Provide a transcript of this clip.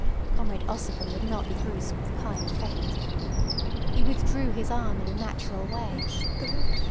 Comrade Ossipon would not be brusque with kind fate. He withdrew his arm in a natural way.